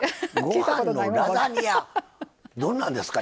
どんなんですか？